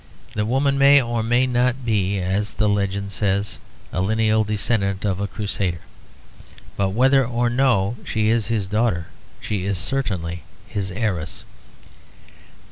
The woman may or may not be, as the legend says, a lineal descendant of a Crusader. But whether or no she is his daughter, she is certainly his heiress.